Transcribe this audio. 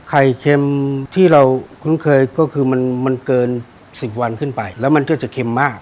เค็มที่เราคุ้นเคยก็คือมันเกิน๑๐วันขึ้นไปแล้วมันก็จะเค็มมาก